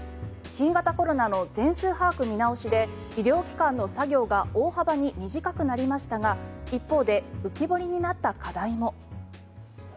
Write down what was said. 新型コロナの全数把握見直しで医療機関の作業が大幅に短くなりましたが一方で浮き彫りになった課題も。